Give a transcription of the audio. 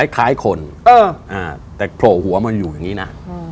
คล้ายคนแต่โผล่หัวมันอยู่อย่างนี้นะ